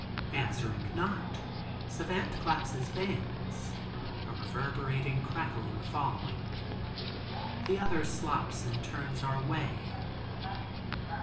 Answering not, Savant claps his bands, a reverberating crackling following. The other slops and turns our way.